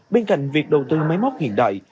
bên cạnh việc đầu tư máy móc hiện đại